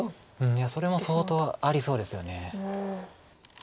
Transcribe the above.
いやそれも相当ありそうですよね。